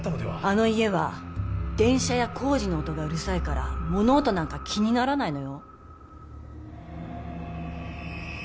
あの家は電車や工事の音がうるさいから物音なんか気にならないのよ。